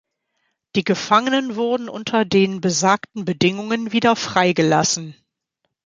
Die Gefangenen wurden unter den besagten Bedingungen wieder freigelassen.